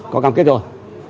có cầm kết rồi